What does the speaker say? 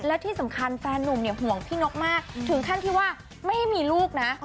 และที่สำคัญแฟนนุ่มเนี่ยห่วงพี่นกมากถึงขั้นที่ว่าไม่ให้มีลูกนะ